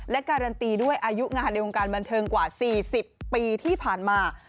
และการันตีด้วยอายุงานในวงการบันเทิงกว่า๔๐ปีที่ผ่านมา